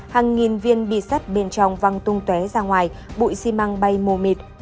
hàng nghìn viên bị sắt bên trong văng tung tué ra ngoài bụi xi măng bay mồ mịt